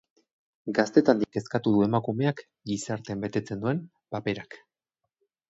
Gaztetandik kezkatu du emakumeak gizartean betetzen duen paperak.